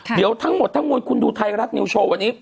เดี๋ยวทั้งหมดทั้งมวลคุณดูไทยรัฐนิวโชว์วันนี้